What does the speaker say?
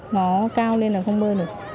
nó cao lên là không bơi được